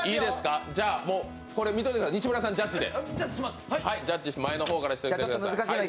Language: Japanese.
これ、見といてください、西村さんジャッジで。